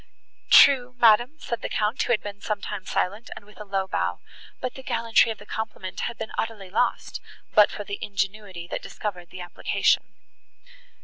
"True, madam," said the Count, who had been some time silent, and with a low bow, "but the gallantry of the compliment had been utterly lost, but for the ingenuity that discovered the application."